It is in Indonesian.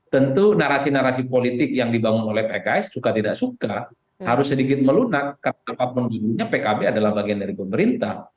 tentu narasi narasi politik yang dibangun oleh pks suka tidak suka harus sedikit melunak karena apapun ini pkb adalah bagian dari pemerintah